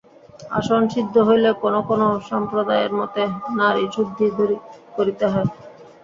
আসন সিদ্ধ হইলে কোন কোন সম্প্রদায়ের মতে নাড়ীশুদ্ধি করিতে হয়।